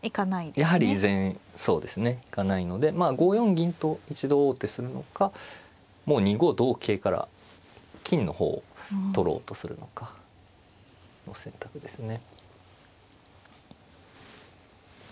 やはり依然そうですねいかないので５四銀と一度王手するのかもう２五同桂から金の方を取ろうとするのかの選択ですね。